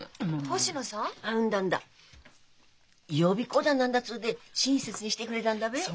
予備校だ何だっつうて親切にしてくれたんだべえ？